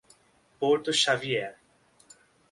Porto Xavier